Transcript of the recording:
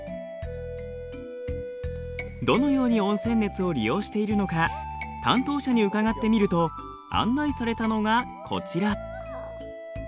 どのように温泉熱を利用しているのか担当者に伺ってみると案内されたのがこちら。